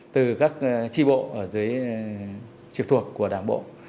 từ các chi bộ ở dưới chiều thuộc của đảng bộ